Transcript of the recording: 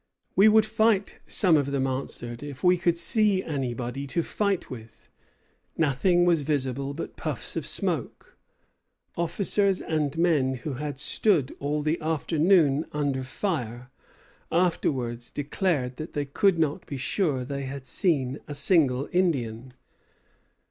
"We would fight," some of them answered, "if we could see anybody to fight with." Nothing was visible but puffs of smoke. Officers and men who had stood all the afternoon under fire afterwards declared that they could not be sure they had seen a single Indian.